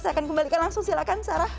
saya akan kembalikan langsung silakan sarah